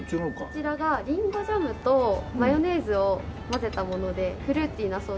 こちらがりんごジャムとマヨネーズを混ぜたものでフルーティーなソース。